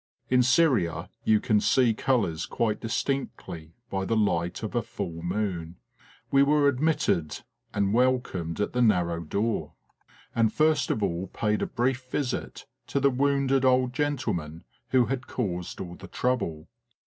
In Syria you can see colours quite distinctly by the light of a full moon. We were admitted and welcomed at the narrow door ; and first of all paid a brief visit to the wounded old gentleman who had caused all the trouble.